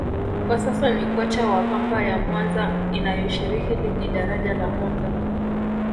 kwa sasa ni kocha wa Pamba ya Mwanza inayoshiriki Ligi Daraja La Kwanza